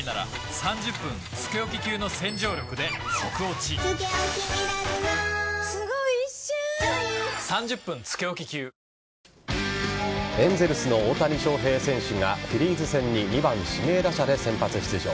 事件を巡っては当時バスを運転していたエンゼルスの大谷翔平選手がフィリーズ戦に２番・指名打者で先発出場。